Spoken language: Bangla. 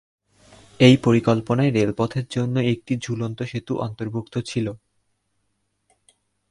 এই পরিকল্পনায় রেলপথের জন্য একটি ঝুলন্ত সেতু অন্তর্ভুক্ত ছিল।